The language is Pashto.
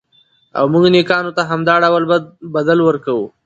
او موږ نېکانو ته همدا ډول بدل ورکوو.